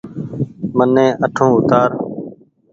مني اٺون اوتآر ۔